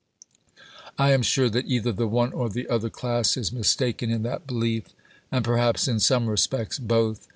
I am sure that either the one or the other class is mistaken in that belief, and perhaps in some respects both.